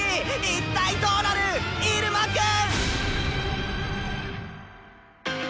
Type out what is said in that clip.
一体どうなる⁉イルマくん！